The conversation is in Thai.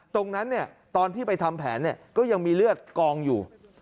ตอนที่ไปทำแผนก็ยังมีเลือดกองอยู่